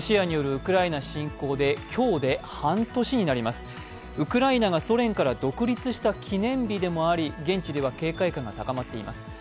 ウクライナがソ連から独立した記念日でもあり、現地では警戒感が高まっています。